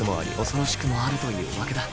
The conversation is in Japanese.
恐ろしくもあるというわけだ